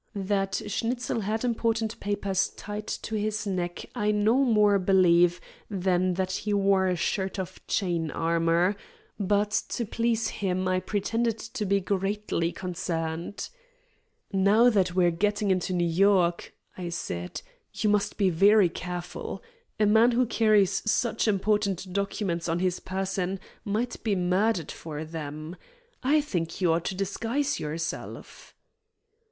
That Schnitzel had important papers tied to his neck I no more believe than that he wore a shirt of chain armor, but to please him I pretended to be greatly concerned. "Now that we're getting into New York," I said, "you must be very careful. A man who carries such important documents on his person might be murdered for them. I think you ought to disguise yourself."